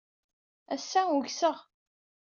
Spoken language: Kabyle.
Ass-a, ugseɣ.